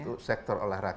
untuk sektor olahraga